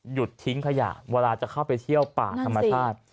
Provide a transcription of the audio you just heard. ทิ้งขยะเวลาจะเข้าไปเที่ยวป่าธรรมชาติ